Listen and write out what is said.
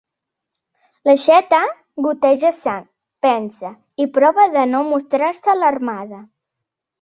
L'aixeta goteja sang, pensa, i prova de no mostrar-se alarmada.